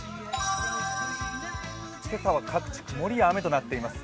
今朝は各地、曇りや雨となっています。